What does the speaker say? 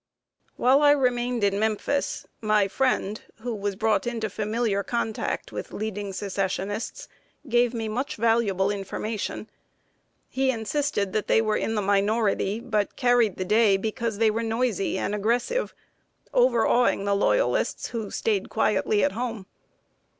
While I remained in Memphis, my friend, who was brought into familiar contact with leading Secessionists, gave me much valuable information. He insisted that they were in the minority, but carried the day because they were noisy and aggressive, overawing the Loyalists, who staid quietly at home.